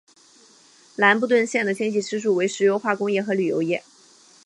兰布顿县的经济支柱为石油化工业和旅游业。